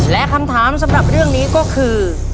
และคำถามสำหรับเรื่องนี้ก็คือ